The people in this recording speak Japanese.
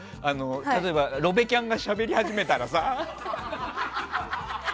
例えば、ロベキャンがしゃべり始めたらさ。